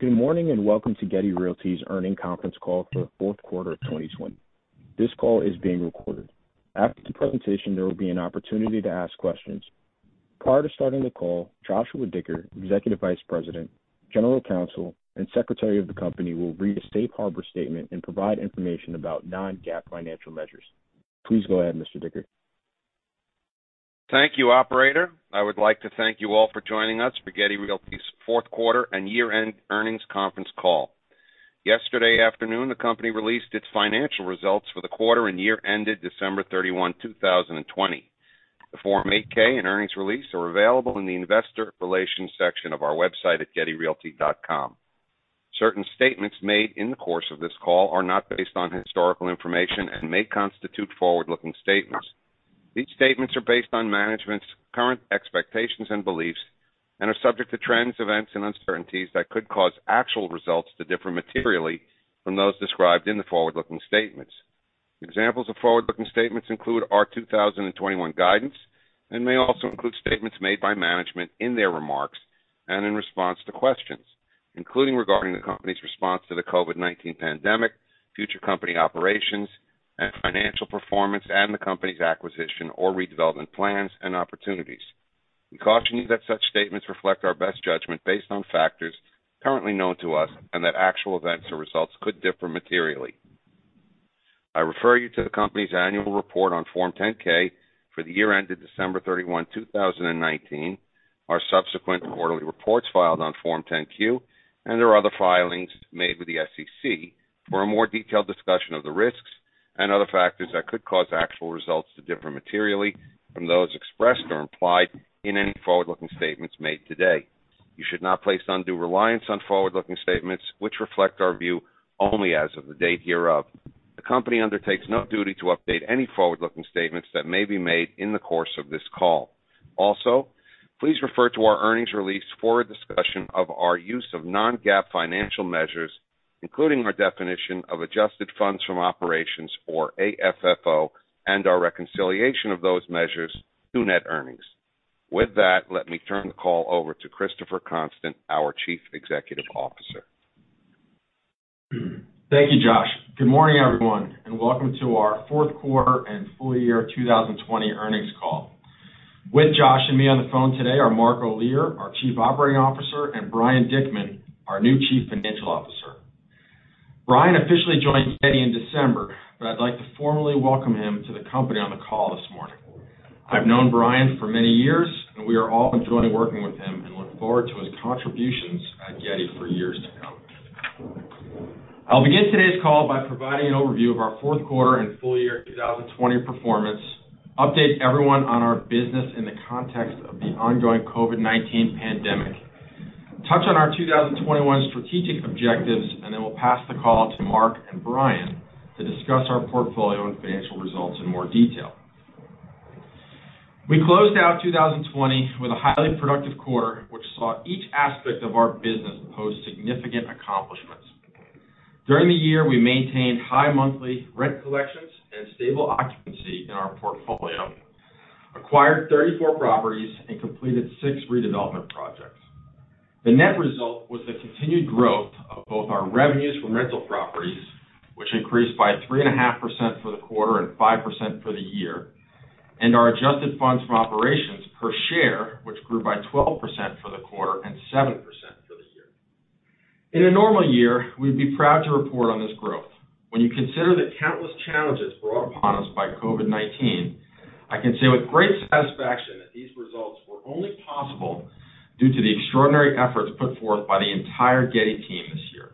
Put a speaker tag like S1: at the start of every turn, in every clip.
S1: Good morning, and welcome to Getty Realty's earnings conference call for the fourth quarter of 2020. This call is being recorded. After the presentation, there will be an opportunity to ask questions. Prior to starting the call, Joshua Dicker, Executive Vice President, General Counsel, and Secretary of the company will read a safe harbor statement and provide information about non-GAAP financial measures. Please go ahead, Mr. Dicker.
S2: Thank you, operator. I would like to thank you all for joining us for Getty Realty's fourth quarter and year-end earnings conference call. Yesterday afternoon, the company released its financial results for the quarter and year ended December 31, 2020. The Form 8-K and earnings release are available in the investor relations section of our website at gettyrealty.com. Certain statements made in the course of this call are not based on historical information and may constitute forward-looking statements. These statements are based on management's current expectations and beliefs and are subject to trends, events, and uncertainties that could cause actual results to differ materially from those described in the forward-looking statements. Examples of forward-looking statements include our 2021 guidance and may also include statements made by management in their remarks and in response to questions, including regarding the company's response to the COVID-19 pandemic, future company operations and financial performance, and the company's acquisition or redevelopment plans and opportunities. We caution you that such statements reflect our best judgment based on factors currently known to us, and that actual events or results could differ materially. I refer you to the company's annual report on Form 10-K for the year ended December 31, 2019, our subsequent quarterly reports filed on Form 10-Q, and our other filings made with the SEC for a more detailed discussion of the risks and other factors that could cause actual results to differ materially from those expressed or implied in any forward-looking statements made today. You should not place undue reliance on forward-looking statements, which reflect our view only as of the date hereof. The company undertakes no duty to update any forward-looking statements that may be made in the course of this call. Also, please refer to our earnings release for a discussion of our use of non-GAAP financial measures, including our definition of adjusted funds from operations, or AFFO, and our reconciliation of those measures to net earnings. With that, let me turn the call over to Christopher Constant, our Chief Executive Officer.
S3: Thank you, Josh. Good morning, everyone, welcome to our fourth quarter and full year 2020 earnings call. With Josh and me on the phone today are Mark Olear, our Chief Operating Officer, and Brian Dickman, our new Chief Financial Officer. Brian officially joined Getty in December, I'd like to formally welcome him to the company on the call this morning. I've known Brian for many years, we are all enjoying working with him and look forward to his contributions at Getty for years to come. I'll begin today's call by providing an overview of our fourth quarter and full year 2020 performance, update everyone on our business in the context of the ongoing COVID-19 pandemic, touch on our 2021 strategic objectives, then we'll pass the call to Mark and Brian to discuss our portfolio and financial results in more detail. We closed out 2020 with a highly productive quarter, which saw each aspect of our business post significant accomplishments. During the year, we maintained high monthly rent collections and stable occupancy in our portfolio, acquired 34 properties, and completed six redevelopment projects. The net result was the continued growth of both our revenues from rental properties, which increased by 3.5% for the quarter and 5% for the year, and our adjusted funds from operations per share, which grew by 12% for the quarter and 7% for the year. In a normal year, we'd be proud to report on this growth. When you consider the countless challenges brought upon us by COVID-19, I can say with great satisfaction that these results were only possible due to the extraordinary efforts put forth by the entire Getty team this year.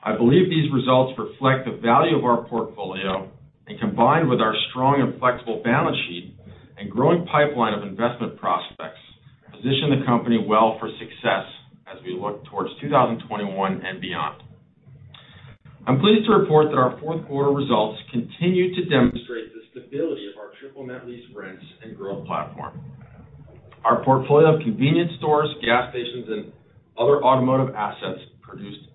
S3: I believe these results reflect the value of our portfolio and combined with our strong and flexible balance sheet and growing pipeline of investment prospects, position the company well for success as we look towards 2021 and beyond. I'm pleased to report that our fourth quarter results continue to demonstrate the stability of our triple net lease rents and growth platform. Our portfolio of convenience stores, gas stations, and other automotive assets produced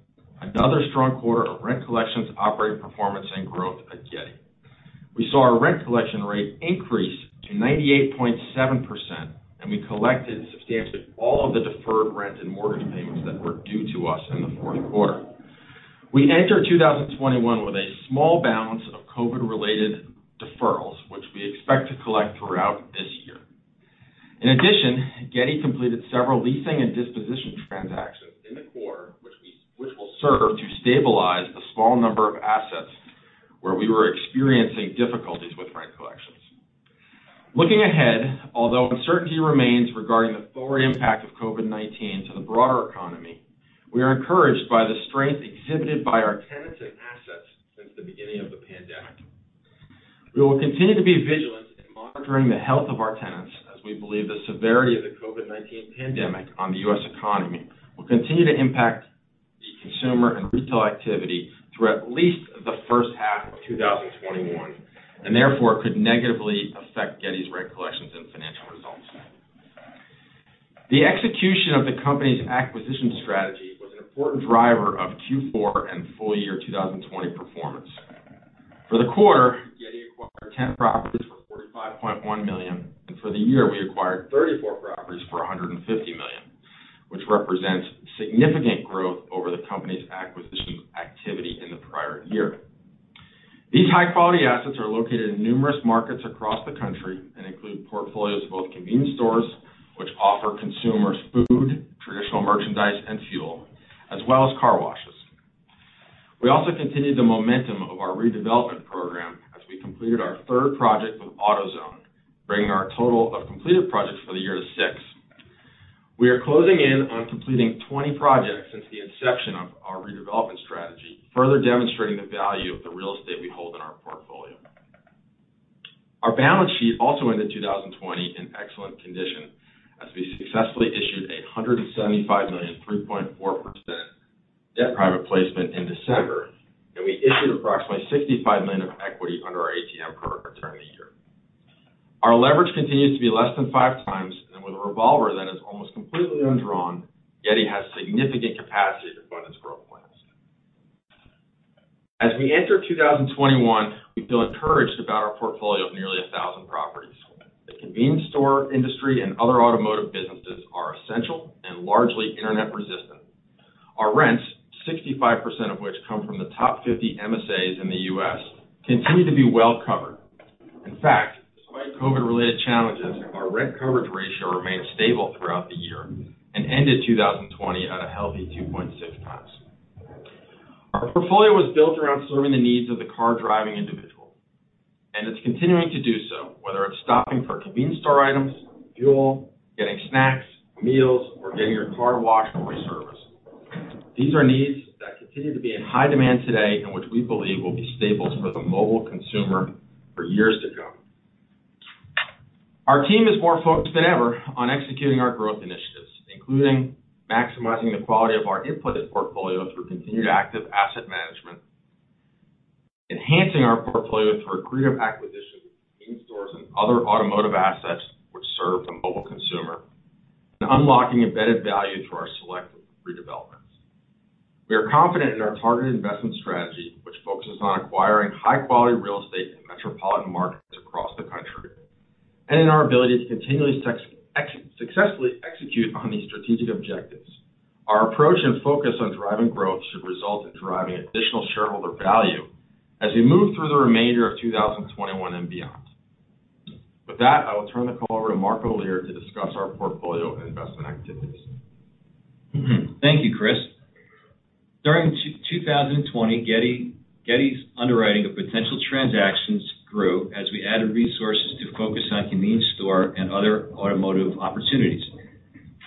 S3: another strong quarter of rent collections, operating performance, and growth at Getty. We saw our rent collection rate increase to 98.7%, and we collected substantially all of the deferred rent and mortgage payments that were due to us in the fourth quarter. We enter 2021 with a small balance of COVID-related deferrals, which we expect to collect throughout this year. In addition, Getty completed several leasing and disposition transactions in the quarter, which will serve to stabilize a small number of assets where we were experiencing difficulties with rent collections. Looking ahead, although uncertainty remains regarding the full impact of COVID-19 to the broader economy, we are encouraged by the strength exhibited by our tenants and assets since the beginning of the pandemic. We will continue to be vigilant in monitoring the health of our tenants as we believe the severity of the COVID-19 pandemic on the U.S. economy will continue to impact the consumer and retail activity through at least the first half of 2021, and therefore, could negatively affect Getty's rent collections and financial results. The execution of the company's acquisition strategy was an important driver of Q4 and full year 2020 performance. For the quarter, 10 properties for $45.1 million, and for the year, we acquired 34 properties for $150 million, which represents significant growth over the company's acquisition activity in the prior year. These high-quality assets are located in numerous markets across the country and include portfolios of both convenience stores, which offer consumers food, traditional merchandise, and fuel, as well as car washes. We also continued the momentum of our redevelopment program as we completed our third project with AutoZone, bringing our total of completed projects for the year to six. We are closing in on completing 20 projects since the inception of our redevelopment strategy, further demonstrating the value of the real estate we hold in our portfolio. Our balance sheet also ended 2020 in excellent condition as we successfully issued a $175 million 3.4% debt private placement in December, and we issued approximately $65 million of equity under our ATM program during the year. Our leverage continues to be less than five times, and with a revolver that is almost completely undrawn, Getty has significant capacity to fund its growth plans. As we enter 2021, we feel encouraged about our portfolio of nearly 1,000 properties. The convenience store industry and other automotive businesses are essential and largely internet resistant. Our rents, 65% of which come from the top 50 MSAs in the U.S., continue to be well covered. In fact, despite COVID-related challenges, our rent coverage ratio remained stable throughout the year and ended 2020 at a healthy 2.6x. Our portfolio was built around serving the needs of the car-driving individual, and it's continuing to do so, whether it's stopping for convenience store items, fuel, getting snacks, meals, or getting your car washed or a service. These are needs that continue to be in high demand today, and which we believe will be staples for the mobile consumer for years to come. Our team is more focused than ever on executing our growth initiatives, including maximizing the quality of our inputted portfolio through continued active asset management, enhancing our portfolio through accretive acquisition of convenience stores and other automotive assets which serve the mobile consumer, and unlocking embedded value through our selected redevelopments. We are confident in our targeted investment strategy, which focuses on acquiring high-quality real estate in metropolitan markets across the country, and in our ability to continuously successfully execute on these strategic objectives. Our approach and focus on driving growth should result in driving additional shareholder value as we move through the remainder of 2021 and beyond. With that, I will turn the call over to Mark Olear to discuss our portfolio and investment activities.
S4: Thank you, Chris. During 2020, Getty Realty's underwriting of potential transactions grew as we added resources to focus on convenience store and other automotive opportunities.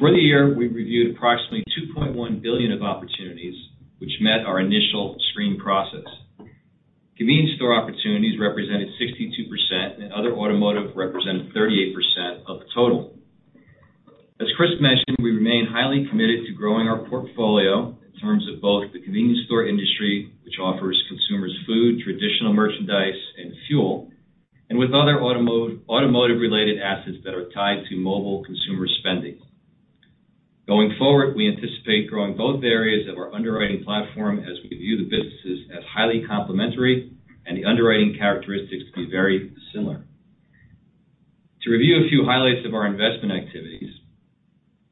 S4: For the year, we reviewed approximately $2.1 billion of opportunities which met our initial screen process. Convenience store opportunities represented 62%, and other automotive represented 38% of the total. As Chris mentioned, we remain highly committed to growing our portfolio in terms of both the convenience store industry, which offers consumers food, traditional merchandise, and fuel, and with other automotive-related assets that are tied to mobile consumer spending. Going forward, we anticipate growing both areas of our underwriting platform as we view the businesses as highly complementary and the underwriting characteristics to be very similar. To review a few highlights of our investment activities,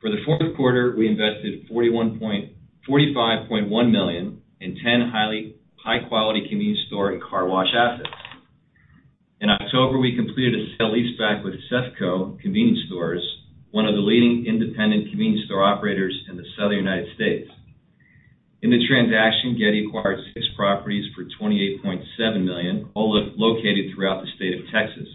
S4: for the fourth quarter, we invested $45.1 million in 10 high-quality convenience store and car wash assets. In October, we completed a sale-leaseback with CEFCO Convenience Stores, one of the leading independent convenience store operators in the Southern U.S. In the transaction, Getty acquired six properties for $28.7 million, all located throughout the state of Texas.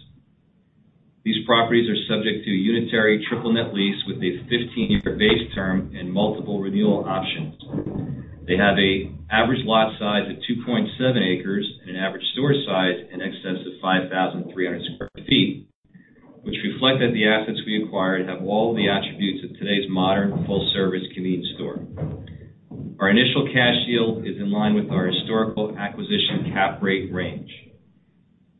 S4: These properties are subject to a unitary triple net lease with a 15-year base term and multiple renewal options. They have an average lot size of 2.7 acres and an average store size in excess of 5,300 sq ft, which reflect that the assets we acquired have all of the attributes of today's modern full-service convenience store. Our initial cash yield is in line with our historical acquisition cap rate range.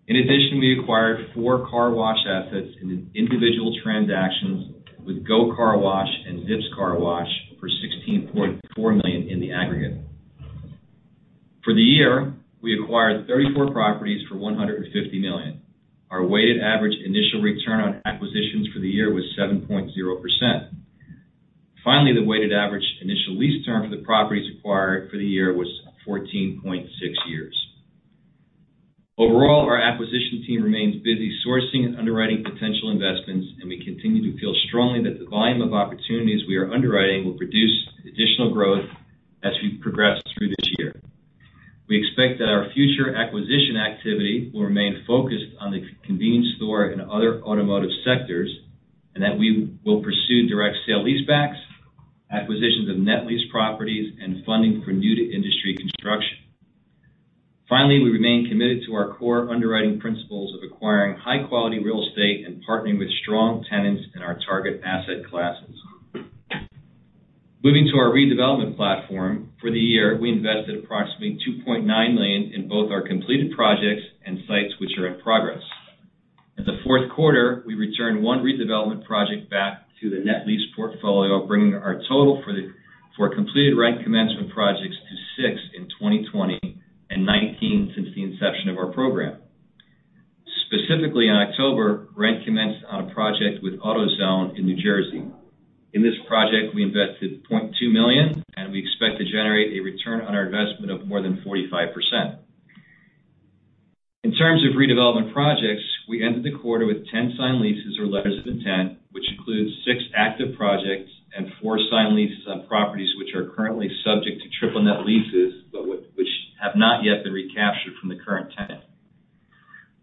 S4: In addition, we acquired four car wash assets in individual transactions with Go Car Wash and Zips Car Wash for $16.4 million in the aggregate. For the year, we acquired 34 properties for $150 million. Our weighted average initial return on acquisitions for the year was 7.0%. Finally, the weighted average initial lease term for the properties acquired for the year was 14.6 years. Overall, our acquisition team remains busy sourcing and underwriting potential investments, and we continue to feel strongly that the volume of opportunities we are underwriting will produce additional growth as we progress through this year. We expect that our future acquisition activity will remain focused on the convenience store and other automotive sectors and that we will pursue direct sale-leasebacks, acquisitions of net lease properties, and funding for new-to-industry construction. Finally, we remain committed to our core underwriting principles of acquiring high-quality real estate and partnering with strong tenants in our target asset classes. Moving to our redevelopment platform. For the year, we invested approximately $2.9 million in both our completed projects and sites which are in progress. In the fourth quarter, we returned one redevelopment project back to the net lease portfolio, bringing our total for completed rent commencement projects to six in 2020, and 19 since the inception of our program. Specifically in October, rent commenced on a project with AutoZone in N.J. In this project, we invested $0.2 million, and we expect to generate a return on our investment of more than 45%. In terms of redevelopment projects, we ended the quarter with 10 signed leases or letters of intent, which includes six active projects and four signed leases on properties which are currently subject to triple net leases, but which have not yet been recaptured from the current tenant.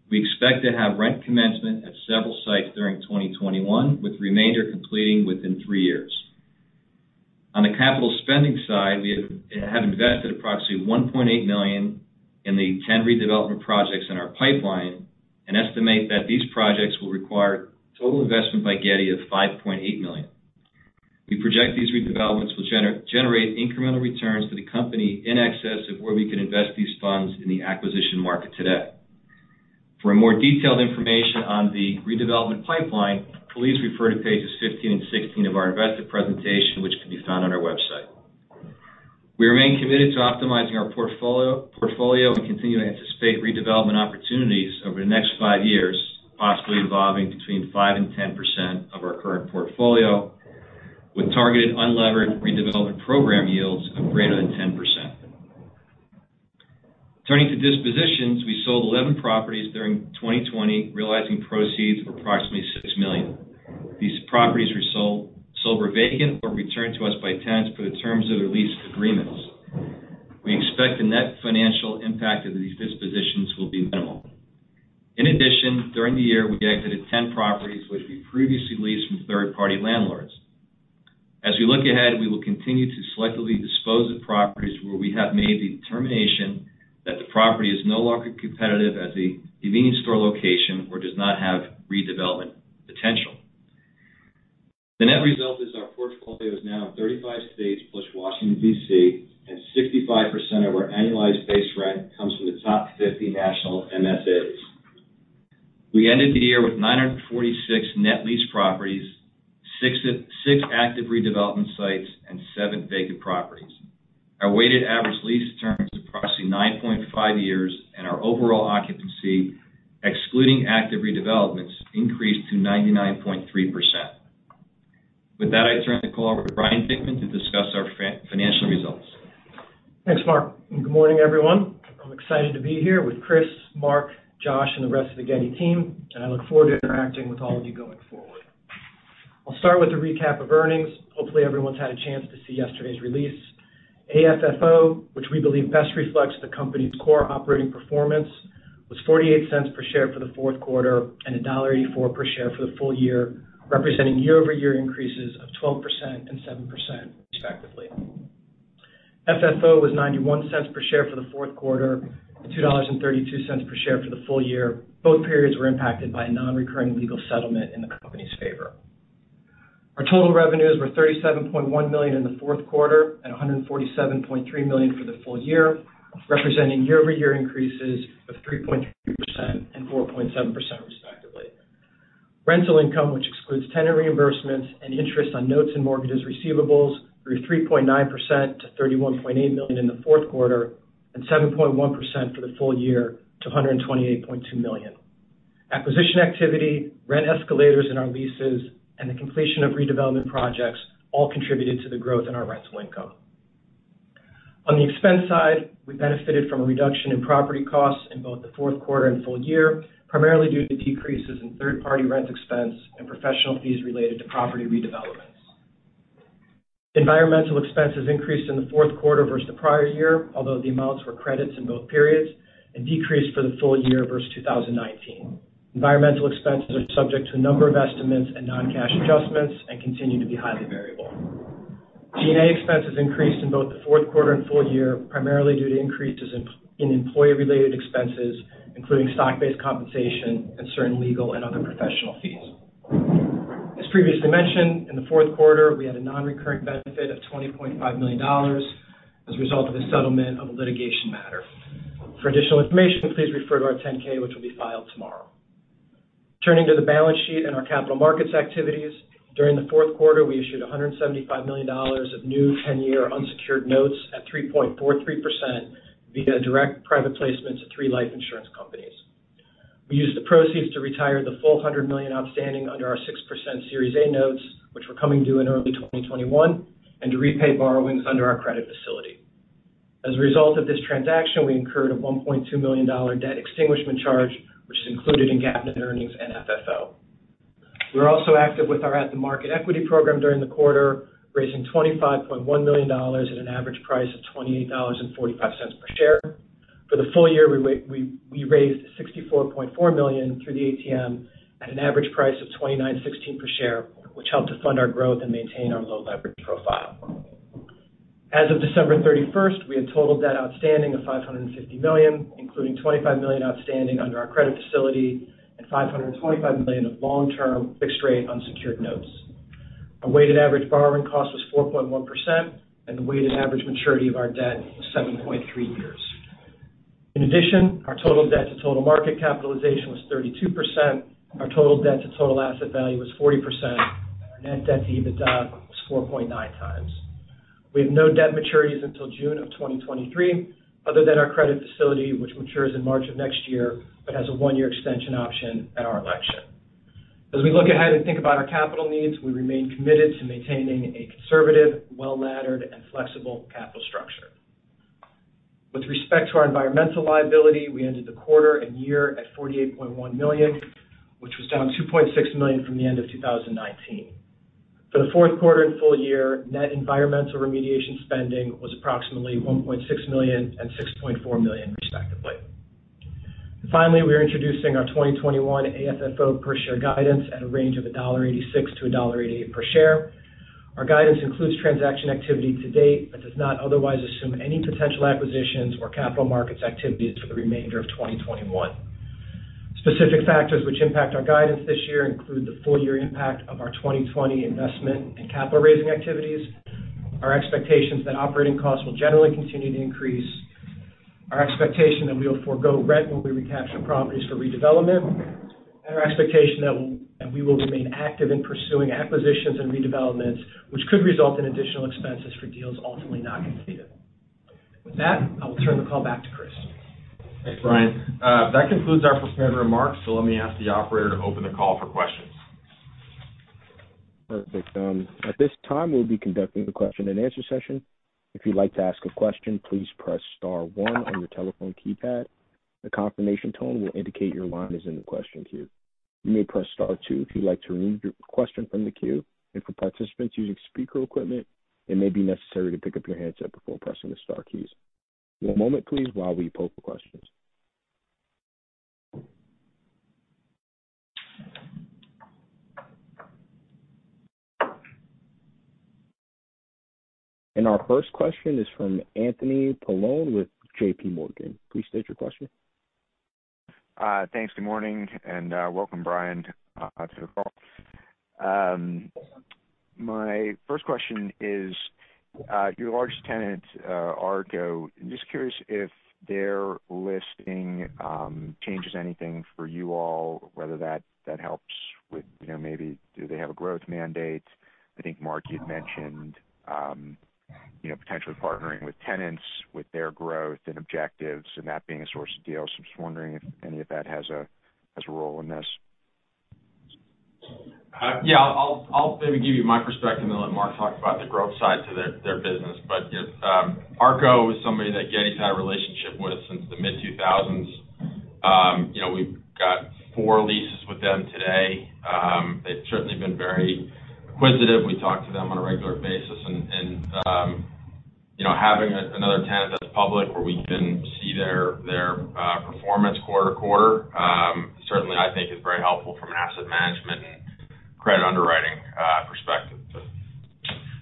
S4: We expect to have rent commencement at several sites during 2021, with the remainder completing within three years. On the capital spending side, we have invested approximately $1.8 million in the 10 redevelopment projects in our pipeline and estimate that these projects will require total investment by Getty of $5.8 million. We project these redevelopments will generate incremental returns to the company in excess of where we can invest these funds in the acquisition market today. For more detailed information on the redevelopment pipeline, please refer to pages 15 and 16 of our investor presentation, which can be found on our website. We remain committed to optimizing our portfolio and continue to anticipate redevelopment opportunities over the next five years, possibly involving between 5%-10% of our current portfolio, with targeted unlevered redevelopment program yields of greater than 10%. Turning to dispositions, we sold 11 properties during 2020, realizing proceeds of approximately $6 million. These properties were sold vacant or returned to us by tenants per the terms of their lease agreements. We expect the net financial impact of these dispositions will be minimal. In addition, during the year, we exited 10 properties which we previously leased from third-party landlords. As we look ahead, we will continue to selectively dispose of properties where we have made the determination that the property is no longer competitive as a convenience store location or does not have redevelopment potential. The net result is our portfolio is now in 35+ states Washington, D.C., and 65% of our annualized base rent comes from the top 50 national MSAs. We ended the year with 946 net lease properties, six active redevelopment sites, and seven vacant properties. Our weighted average lease terms is approximately 9.5 years, and our overall occupancy, excluding active redevelopments, increased to 99.3%. With that, I turn the call over to Brian Dickman to discuss our financial results.
S5: Thanks, Mark, and good morning, everyone. I'm excited to be here with Chris, Mark, Josh, and the rest of the Getty team, and I look forward to interacting with all of you going forward. I'll start with a recap of earnings. Hopefully, everyone's had a chance to see yesterday's release. AFFO, which we believe best reflects the company's core operating performance, was $0.48 per share for the fourth quarter and $1.84 per share for the full year, representing year-over-year increases of 12% and 7% respectively. FFO was $0.91 per share for the fourth quarter and $2.32 per share for the full year. Both periods were impacted by a non-recurring legal settlement in the company's favor. Our total revenues were $37.1 million in the fourth quarter and $147.3 million for the full year, representing year-over-year increases of 3.3% and 4.7% respectively. Rental income, which excludes tenant reimbursements and interest on notes and mortgages receivables, grew 3.9% to $31.8 million in the fourth quarter and 7.1% for the full year to $128.2 million. Acquisition activity, rent escalators in our leases, and the completion of redevelopment projects all contributed to the growth in our rental income. On the expense side, we benefited from a reduction in property costs in both the fourth quarter and full year, primarily due to decreases in third-party rent expense and professional fees related to property redevelopments. Environmental expenses increased in the fourth quarter versus the prior year, although the amounts were credits in both periods, and decreased for the full year versus 2019. Environmental expenses are subject to a number of estimates and non-cash adjustments and continue to be highly variable. G&A expenses increased in both the fourth quarter and full year, primarily due to increases in employee-related expenses, including stock-based compensation and certain legal and other professional fees. As previously mentioned, in the fourth quarter, we had a non-recurring benefit of $20.5 million as a result of the settlement of a litigation matter. For additional information, please refer to our 10-K, which will be filed tomorrow. Turning to the balance sheet and our capital markets activities, during the fourth quarter, we issued $175 million of new 10-year unsecured notes at 3.43% via direct private placement to three life insurance companies. We used the proceeds to retire the full $100 million outstanding under our 6% Series A notes, which were coming due in early 2021, and to repay borrowings under our credit facility. As a result of this transaction, we incurred a $1.2 million debt extinguishment charge, which is included in GAAP net earnings and FFO. We were also active with our at-the-market equity program during the quarter, raising $25.1 million at an average price of $28.45 per share. For the full year, we raised $64.4 million through the ATM at an average price of $29.16 per share, which helped to fund our growth and maintain our low leverage profile. As of December 31st, we had total debt outstanding of $550 million, including $25 million outstanding under our credit facility and $525 million of long-term fixed-rate unsecured notes. Our weighted average borrowing cost was 4.1%, and the weighted average maturity of our debt was 7.3 years. In addition, our total debt to total market capitalization was 32%. Our total debt to total asset value was 40%, and our net debt to EBITDA was 4.9x. We have no debt maturities until June of 2023, other than our credit facility, which matures in March of next year, but has a one-year extension option at our election. As we look ahead and think about our capital needs, we remain committed to maintaining a conservative, well-laddered, and flexible capital structure. With respect to our environmental liability, we ended the quarter and year at $48.1 million, which was down $2.6 million from the end of 2019. For the fourth quarter and full year, net environmental remediation spending was approximately $1.6 million and $6.4 million respectively. Finally, we are introducing our 2021 AFFO per share guidance at a range of $1.86-$1.88 per share. Our guidance includes transaction activity to date, but does not otherwise assume any potential acquisitions or capital markets activities for the remainder of 2021. Specific factors which impact our guidance this year include the full year impact of our 2020 investment and capital raising activities, our expectations that operating costs will generally continue to increase, our expectation that we'll forego rent when we recapture properties for redevelopment, and our expectation that we will remain active in pursuing acquisitions and redevelopments, which could result in additional expenses for deals ultimately not completed. With that, I will turn the call back to Chris.
S3: Thanks, Brian. That concludes our prepared remarks. Let me ask the operator to open the call for questions.
S1: Perfect. At this time, we'll be conducting a question and answer session. If you'd like to ask a question, please press star one on your telephone keypad. A confirmation tone will indicate your line is in the question queue. You may press star two if you'd like to remove your question from the queue. For participants using speaker equipment, it may be necessary to pick up your handset before pressing the star keys. One moment please while we pull for questions. Our first question is from Anthony Paolone with JPMorgan. Please state your question.
S6: Thanks. Good morning, and welcome Brian to the call. My first question is, your largest tenant, ARCO, just curious if their listing changes anything for you all, whether that helps with maybe do they have a growth mandate? I think, Mark, you'd mentioned potentially partnering with tenants with their growth and objectives and that being a source of deals. Just wondering if any of that has a role in this.
S3: I'll maybe give you my perspective and then let Mark talk about the growth side to their business. ARCO is somebody that Getty's had a relationship with since the mid-2000s. We've got four leases with them today. They've certainly been very acquisitive. Having another tenant that's public where we can see their performance quarter to quarter, certainly I think is very helpful from an asset management and credit underwriting perspective.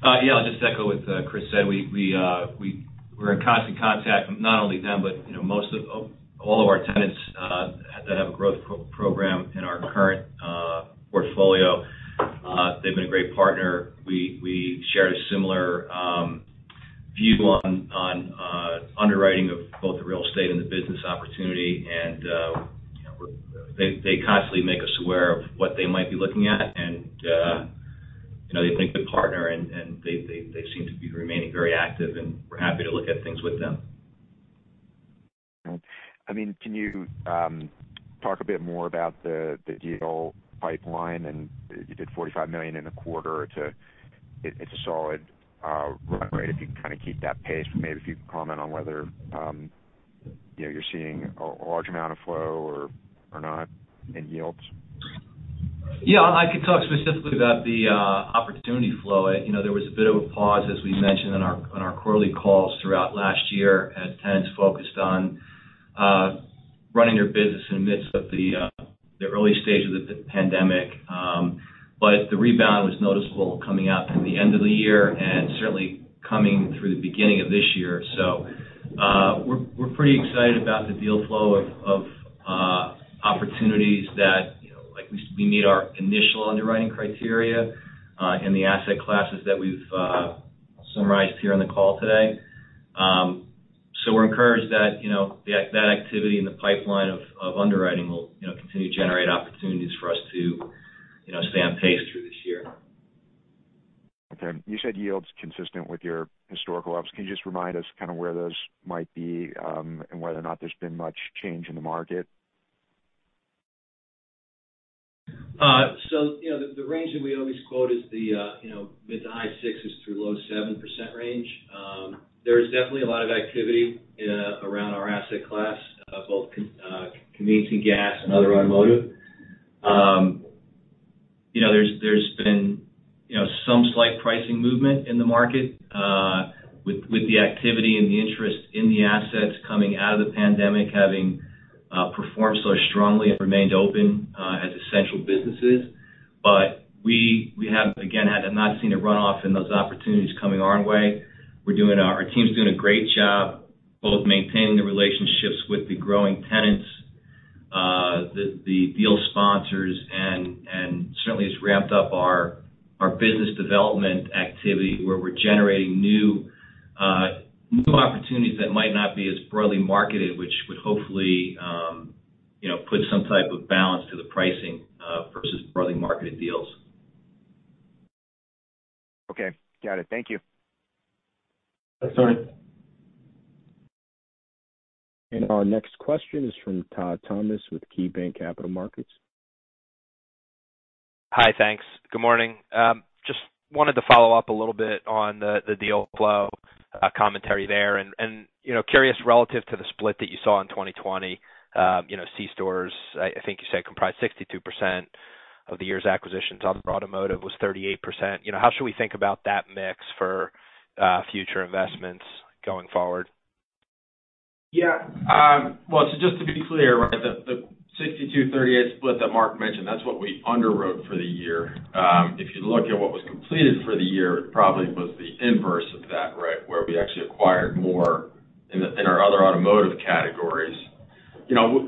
S4: Yeah, I'll just echo what Chris said. We're in constant contact with not only them, but all of our tenants that have a growth program in our current portfolio. They've been a great partner. We share a similar view on underwriting of both the real estate and the business opportunity, and they constantly make us aware of what they might be looking at and they've been a good partner and they seem to be remaining very active and we're happy to look at things with them.
S6: I mean, can you talk a bit more about the deal pipeline and you did $45 million in a quarter to it's a solid run rate if you kind of keep that pace. Maybe if you could comment on whether you're seeing a large amount of flow or not in yields.
S4: Yeah, I could talk specifically about the opportunity flow. There was a bit of a pause, as we mentioned on our quarterly calls throughout last year as tenants focused on running their business in the midst of the early stage of the pandemic. The rebound was noticeable coming out through the end of the year and certainly coming through the beginning of this year. We're pretty excited about the deal flow of opportunities that at least we meet our initial underwriting criteria in the asset classes that we've summarized here on the call today. We're encouraged that activity in the pipeline of underwriting will continue to generate opportunities for us to stay on pace through this year.
S6: Okay. You said yields consistent with your historical ups. Can you just remind us kind of where those might be and whether or not there's been much change in the market?
S4: The range that we always quote is the mid to high 6% through low 7% range. There is definitely a lot of activity around our asset class, both convenience and gas and other automotive. There's been some slight pricing movement in the market with the activity and the interest in the assets coming out of the pandemic, having performed so strongly, it remained open as essential businesses. We have, again, not seen a runoff in those opportunities coming our way. Our team's doing a great job both maintaining the relationships with the growing tenants the deal sponsors and certainly has ramped up our business development activity where we're generating new opportunities that might not be as broadly marketed, which would hopefully put some type of balance to the pricing versus broadly marketed deals.
S6: Okay. Got it. Thank you.
S4: That's all right.
S1: Our next question is from Todd Thomas with KeyBanc Capital Markets.
S7: Hi. Thanks. Good morning. Just wanted to follow up a little bit on the deal flow commentary there and curious relative to the split that you saw in 2020, C stores, I think you said comprised 62% of the year's acquisitions. Other automotive was 38%. How should we think about that mix for future investments going forward?
S3: Yeah. Well, just to be clear, right, the 62/38 split that Mark mentioned, that's what we underwrote for the year. If you look at what was completed for the year, it probably was the inverse of that, right, where we actually acquired more in our other automotive categories.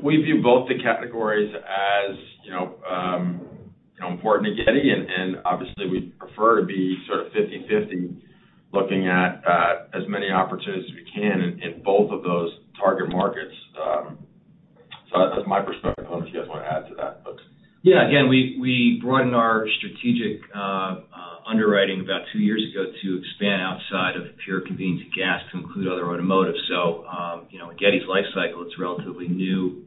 S3: We view both the categories as important to Getty, and obviously we'd prefer to be sort of 50/50 looking at as many opportunities as we can in both of those target markets. That's my perspective. I don't know if you guys want to add to that.
S4: Yeah, again, we broadened our strategic underwriting about two years ago to expand outside of pure convenience and gas to include other automotive. In Getty's lifecycle, it's a relatively new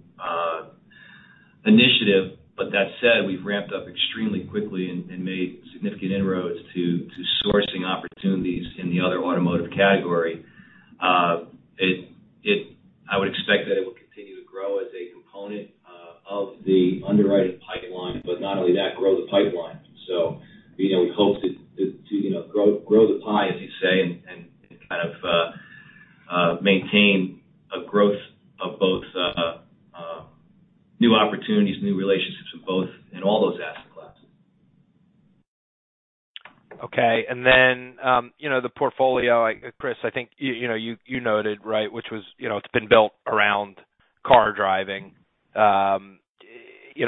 S4: initiative. That said, we've ramped up extremely quickly and made significant inroads to sourcing opportunities in the other automotive category. I would expect that it will continue to grow as a component of the underwriting pipeline, but not only that, grow the pipeline. We hope to grow the pie, as you say, and kind of maintain a growth of both new opportunities, new relationships with both in all those asset classes.
S7: Okay. Then the portfolio, Chris, I think you noted, right, which it's been built around car driving.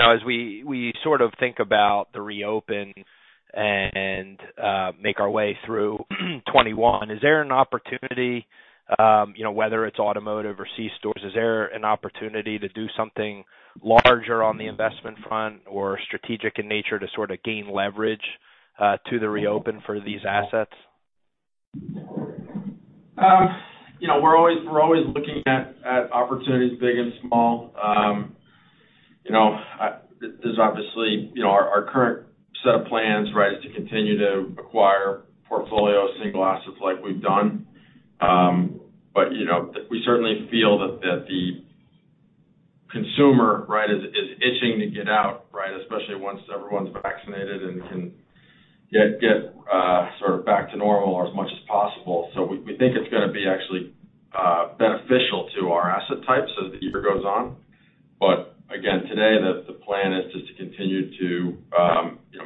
S7: As we sort of think about the reopen and make our way through 2021, is there an opportunity, whether it's automotive or C stores, is there an opportunity to do something larger on the investment front or strategic in nature to sort of gain leverage to the reopen for these assets?
S3: We're always looking at opportunities big and small. There's obviously our current set of plans, right, is to continue to acquire portfolio single assets like we've done. We certainly feel that the consumer, right, is itching to get out, right, especially once everyone's vaccinated and can get sort of back to normal or as much as possible. We think it's gonna be actually beneficial to our asset types as the year goes on. Again, today, the plan is just to continue to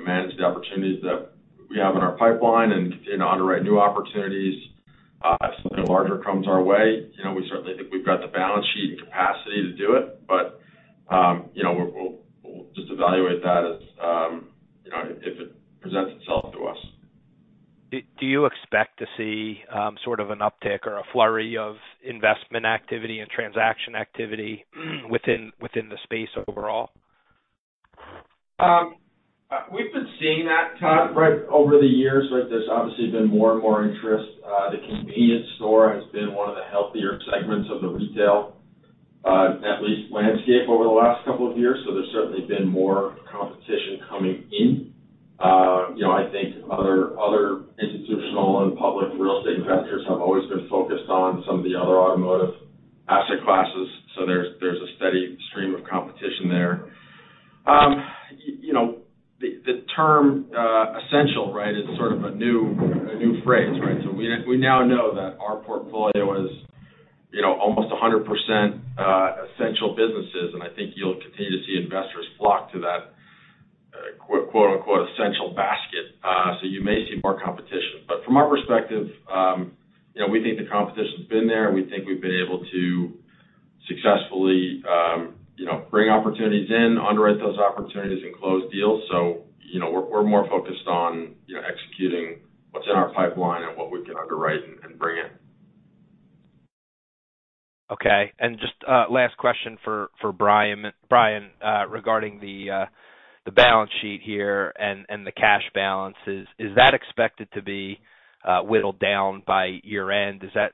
S3: manage the opportunities that we have in our pipeline and continue to underwrite new opportunities. If something larger comes our way, we certainly think we've got the balance sheet and capacity to do it. We'll just evaluate that if it presents itself to us.
S7: Do you expect to see sort of an uptick or a flurry of investment activity and transaction activity within the space overall?
S3: We've been seeing that, Todd, right, over the years. There's obviously been more and more interest. The convenience store has been one of the healthier segments of the retail, net lease landscape over the last couple of years, so there's certainly been more competition coming in. I think other institutional and public real estate investors have always been focused on some of the other automotive asset classes, so there's a steady stream of competition there. The term essential, right, is sort of a new phrase, right? We now know that our portfolio is almost 100% essential businesses, and I think you'll continue to see investors flock to that quote, unquote, "essential basket." You may see more competition. From our perspective, we think the competition's been there, and we think we've been able to successfully bring opportunities in, underwrite those opportunities, and close deals. We're more focused on executing what's in our pipeline and what we can underwrite and bring in.
S7: Okay. Just last question for Brian regarding the balance sheet here and the cash balance. Is that expected to be whittled down by year-end? Is that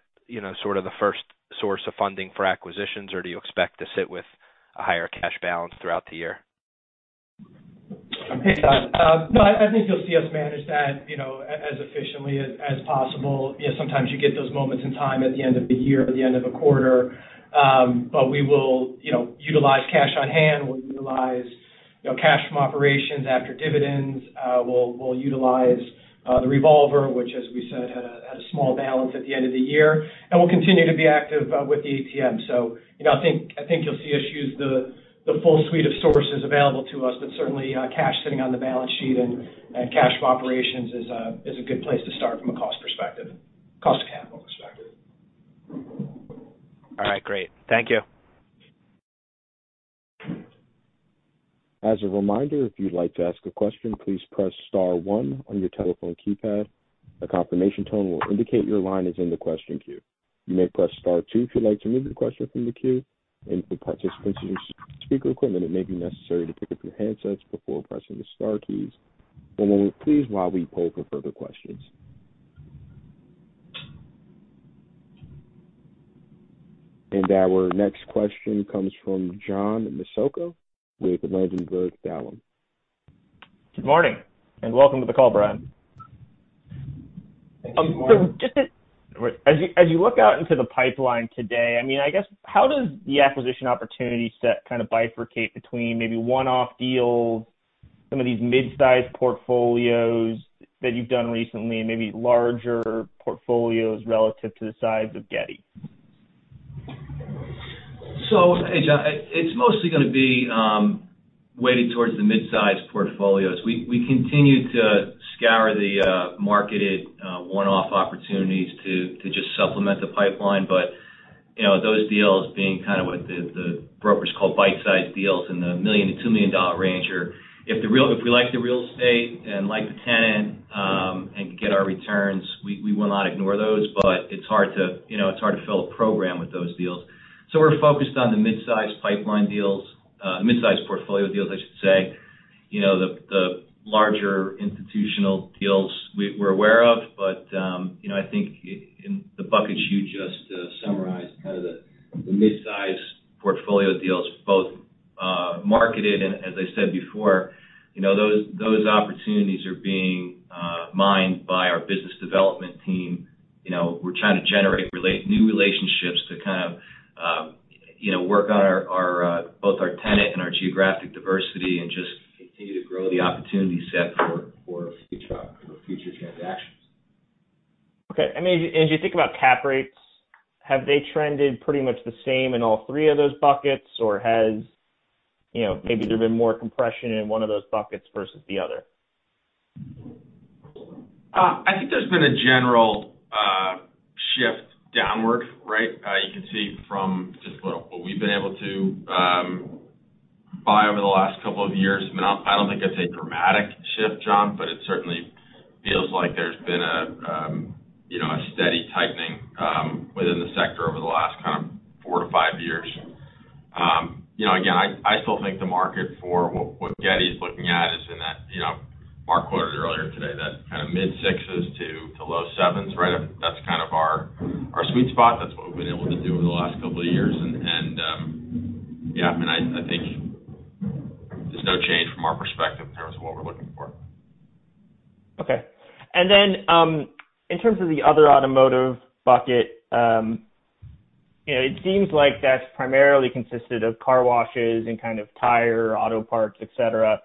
S7: sort of the first source of funding for acquisitions, or do you expect to sit with a higher cash balance throughout the year?
S5: Hey, Todd. No, I think you'll see us manage that as efficiently as possible. Sometimes you get those moments in time at the end of the year or the end of a quarter. We will utilize cash on hand, we'll utilize cash from operations after dividends. We'll utilize the revolver, which, as we said, had a small balance at the end of the year. We'll continue to be active with the ATM. I think you'll see us use the full suite of sources available to us, but certainly cash sitting on the balance sheet and cash from operations is a good place to start from a cost of capital perspective.
S7: All right, great. Thank you.
S1: As a reminder, if you'd like to ask a question, please press star one on your telephone keypad. A confirmation tone will indicate your line is in the question queue. You may press star two if you'd like to remove your question from the queue. For participants using speaker equipment, it may be necessary to pick up your handsets before pressing the star keys. A moment, please, while we poll for further questions. Our next question comes from John Massocca with Ladenburg Thalmann.
S8: Good morning, welcome to the call, Brian.
S5: Thank you. Good morning.
S8: Just as you look out into the pipeline today, how does the acquisition opportunity set kind of bifurcate between maybe one-off deals, some of these mid-sized portfolios that you've done recently, and maybe larger portfolios relative to the size of Getty?
S4: Hey, John. It's mostly going to be weighted towards the mid-sized portfolios. We continue to scour the marketed one-off opportunities to just supplement the pipeline. Those deals being kind of what the brokers call bite-sized deals in the $1 million-$2 million range. If we like the real estate and like the tenant, and get our returns, we will not ignore those, but it's hard to build a program with those deals. We're focused on the mid-sized pipeline deals, mid-sized portfolio deals, I should say. The larger institutional deals we're aware of, I think in the buckets you just summarized, kind of the mid-sized portfolio deals, both marketed and, as I said before, those opportunities are being mined by our business development team. We're trying to generate new relationships to kind of work on both our tenant and our geographic diversity and just continue to grow the opportunity set for future transactions.
S8: Okay. As you think about cap rates, have they trended pretty much the same in all three of those buckets, or has maybe there been more compression in one of those buckets versus the other?
S3: I think there's been a general shift downward. Right? You can see from just what we've been able to buy over the last couple of years. I mean, I don't think I'd say dramatic shift, John, but it certainly feels like there's been a steady tightening within the sector over the last kind of four to five years. Again, I still think the market for what Getty's looking at is in that, Mark quoted earlier today, that kind of mid-6% to low 7s. That's kind of our sweet spot. That's what we've been able to do over the last couple of years, and yeah, I think there's no change from our perspective in terms of what we're looking for.
S8: Okay. In terms of the other automotive bucket, it seems like that's primarily consisted of car washes and kind of tire, auto parts, et cetera.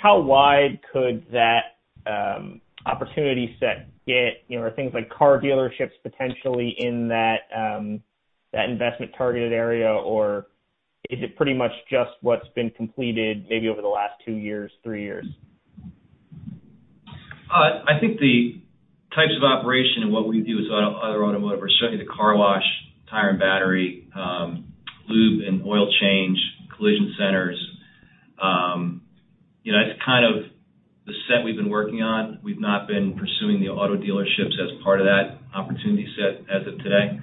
S8: How wide could that opportunity set get? Are things like car dealerships potentially in that investment targeted area, or is it pretty much just what's been completed maybe over the last two years, three years?
S4: I think the types of operation and what we view as other automotive are certainly the car wash, tire and battery, lube and oil change, collision centers. It's kind of the set we've been working on. We've not been pursuing the auto dealerships as part of that opportunity set as of today.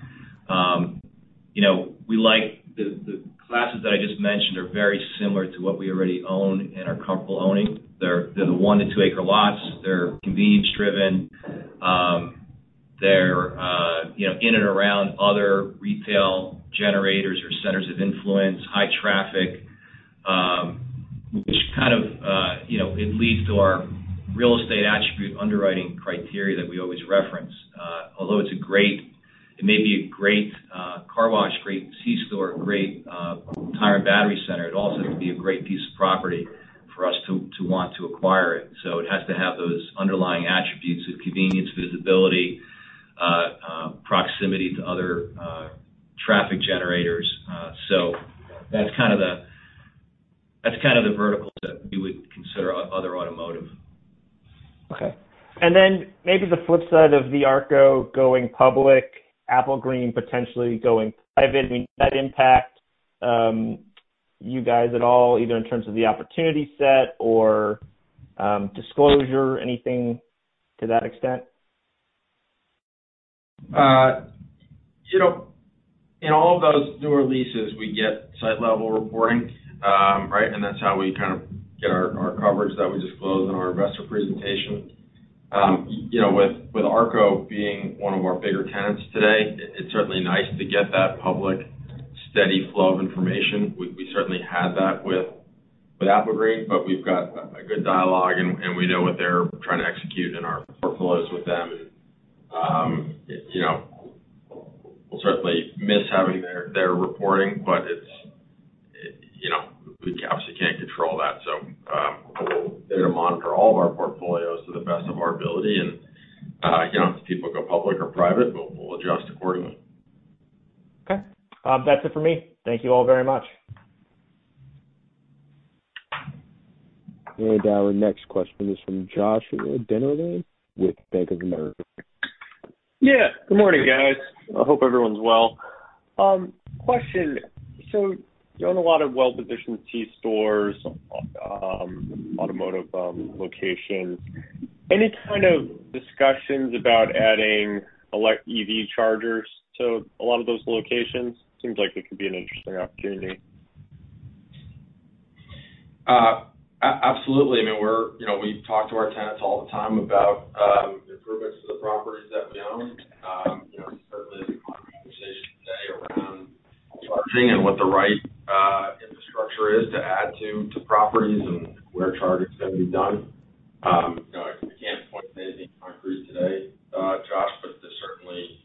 S4: The classes that I just mentioned are very similar to what we already own and are comfortable owning. They're the 1 acre to 2 acre lots. They're convenience-driven. They're in and around other retail generators or centers of influence, high traffic, which kind of leads to our real estate attribute underwriting criteria that we always reference. Although it may be a great car wash, great C store, great tire and battery center, it also has to be a great piece of property for us to want to acquire it. It has to have those underlying attributes of convenience, visibility, proximity to other traffic generators. That's kind of the verticals that we would consider other automotive.
S8: Okay. Then maybe the flip side of the ARCO going public, Applegreen potentially going private. I mean, does that impact you guys at all, either in terms of the opportunity set or disclosure, anything to that extent?
S3: In all of those newer leases, we get site-level reporting. Right? That's how we kind of get our coverage that we disclose in our investor presentation. With ARCO being one of our bigger tenants today, it's certainly nice to get that public steady flow of information. We certainly had that with Applegreen, but we've got a good dialogue, and we know what they're trying to execute in our portfolios with them, and we'll certainly miss having their reporting, but we obviously can't control that. We'll continue to monitor all of our portfolios to the best of our ability, and as people go public or private, we'll adjust accordingly.
S8: Okay. That's it for me. Thank you all very much.
S1: Our next question is from Josh Dennerlein with Bank of America.
S9: Yeah. Good morning, guys. I hope everyone's well. Question, you own a lot of well-positioned C stores, automotive locations. Any kind of discussions about adding EV chargers to a lot of those locations? Seems like it could be an interesting opportunity.
S3: Absolutely. We talk to our tenants all the time about improvements to the properties that we own. Certainly a lot of conversation today around charging and what the right infrastructure is to add to properties and where charging is going to be done. I can't point to anything concrete today, Josh, but there's certainly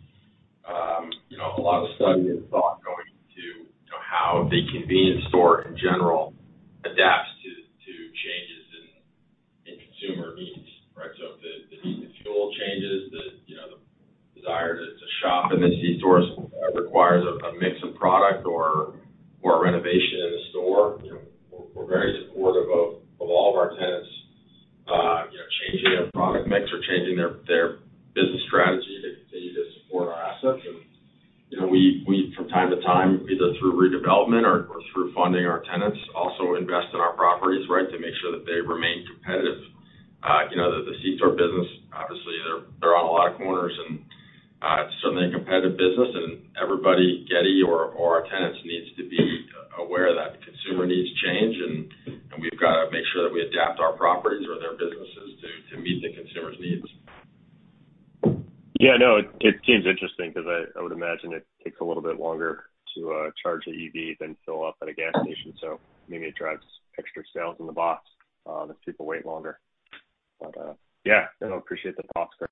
S3: a lot of study and thought going into how the convenience store in general adapts to changes in consumer needs, right? If the need for fuel changes, the desire to shop in the C stores requires a mix of product or a renovation in the store, we're very supportive of all of our tenants changing their product mix or changing their business strategy to continue to support our assets. We, from time to time, either through redevelopment or through funding our tenants, also invest in our properties, right, to make sure that they remain competitive. The C store business, obviously, they're on a lot of corners, and it's certainly a competitive business and everybody, Getty or our tenants, needs to be aware that consumer needs change and we've got to make sure that we adapt our properties or their businesses to meet the consumer's needs.
S9: Yeah, no, it seems interesting because I would imagine it takes a little bit longer to charge an EV than fill up at a gas station. Maybe it drives extra sales in the box if people wait longer. Yeah, no, appreciate the thoughts, Chris.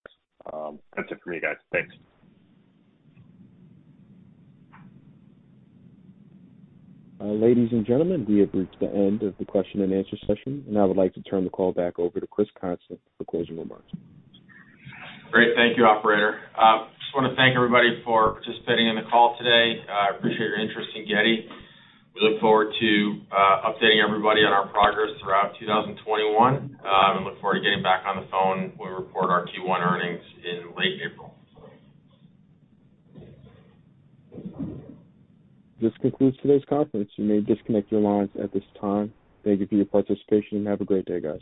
S9: That's it for me, guys. Thanks.
S1: Ladies and gentlemen, we have reached the end of the question and answer session, and I would like to turn the call back over to Chris Constant for closing remarks.
S3: Great. Thank you, operator. Just want to thank everybody for participating in the call today. I appreciate your interest in Getty. We look forward to updating everybody on our progress throughout 2021 and look forward to getting back on the phone when we report our Q1 earnings in late April.
S1: This concludes today's conference. You may disconnect your lines at this time. Thank you for your participation, and have a great day, guys.